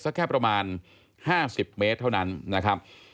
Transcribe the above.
สักแค่ประมาณ๕๐เมตรเท่านั้นนะครับ